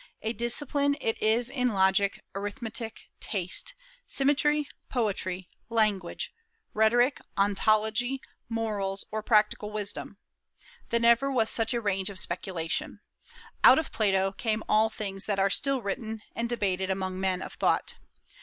A discipline it is in logic, arithmetic, taste, symmetry, poetry, language, rhetoric, ontology, morals, or practical wisdom. There never was such a range of speculation. Out of Plato come all things that are still written and debated among men of thought.